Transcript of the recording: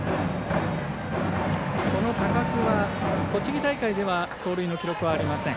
この高久は栃木大会では盗塁の記録はありません。